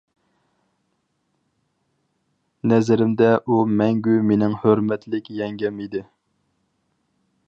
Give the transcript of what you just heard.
نەزىرىمدە ئۇ مەڭگۈ مېنىڭ ھۆرمەتلىك يەڭگەم ئىدى.